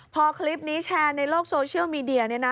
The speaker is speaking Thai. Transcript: พอคลิปนี้แชร์ในโลกโซเชียลมีเดียเนี่ยนะ